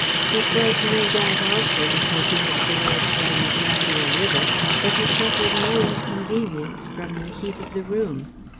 It was no doubt, also, because he had voyaged on the Gambia River that he suffered no inconvenience from the heat of the room.